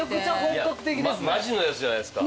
マジのやつじゃないですか。